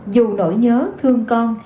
dù nỗi nhớ thương con